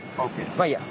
まあいいや。